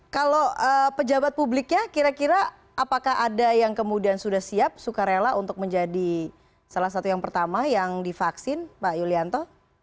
kalau pejabat publiknya kira kira apakah ada yang kemudian sudah siap suka rela untuk menjadi salah satu yang pertama yang divaksin pak yulianto